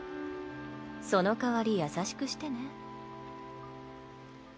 そのかわり優しくしてね。